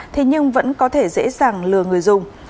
thế nhưng vẫn có thể dễ dàng lừa người dùng